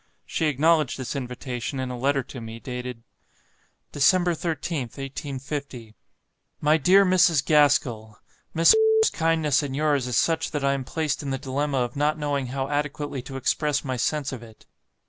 She acknowledged this invitation in a letter to me, dated "Dec. 13th, 1850. "My dear Mrs. Gaskell, Miss 's kindness and yours is such that I am placed in the dilemma of not knowing how adequately to express my sense of it.